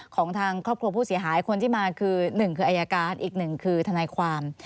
ของทางครอบครัวผู้เสียหายคนที่มาคือหนึ่งคืออายการอีกหนึ่งคือทนายความ